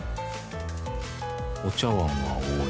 お茶碗は多い。